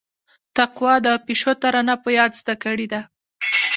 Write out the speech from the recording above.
تقوا د پيشو ترانه په ياد زده کړيده.